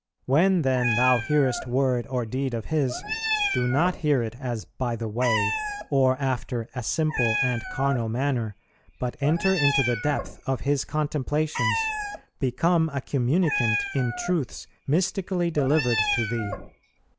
When then thou hearest word or deed of His, do not hear it as by the way, or after a simple and carnal manner, but enter into the depth of His contemplations, become a communicant in truths mystically delivered to thee.'"